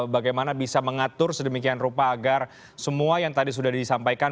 bagaimana bisa mengatur sedemikian rupa agar semua yang tadi sudah disampaikan